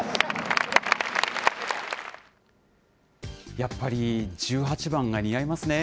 やっぱり１８番が似合いますね。